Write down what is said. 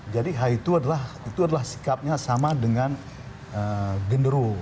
jadi itu adalah sikapnya sama dengan genderu